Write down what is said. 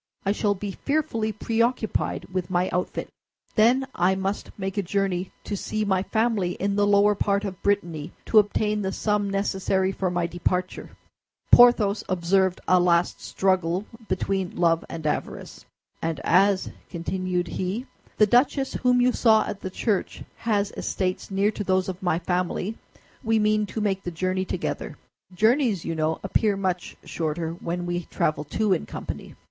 I shall be fearfully preoccupied with my outfit. Then I must make a journey to see my family, in the lower part of Brittany, to obtain the sum necessary for my departure." Porthos observed a last struggle between love and avarice. "And as," continued he, "the duchess whom you saw at the church has estates near to those of my family, we mean to make the journey together. Journeys, you know, appear much shorter when we travel two in company."